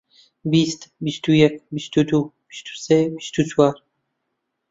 بیست، بیست و یەک، بیست و دوو، بیست و سێ، بیست و چوار.